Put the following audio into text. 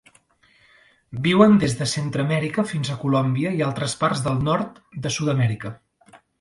Viuen des de Centreamèrica fins a Colòmbia i altres parts del nord de Sud-amèrica.